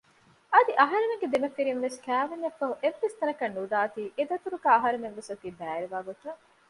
އަދި އަހަރެމެން ދެމަފިރިންވެސް ކައިވެންޏށްފަހު އެއްވެސް ތަނަކަށް ނުދާތީ އެދަތުރުގައި އަހަރެމެންވެސް އޮތީ ބައިވެރިވާގޮތަށް